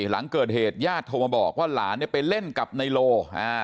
หลังเกิดเหตุญาติโทรมาบอกว่าหลานเนี่ยไปเล่นกับไนโลอ่า